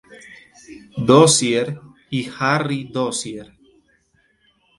Dozier' Y 'Harry' Dozier.